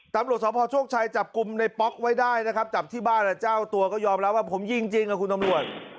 ตำรวจสพโชคชัยจับกลุ่มในป๊อกไว้ได้นะครับจับที่บ้านเจ้าตัวก็ยอมรับว่าผมยิงจริงกับคุณตำรวจ